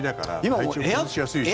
体調崩しやすいし。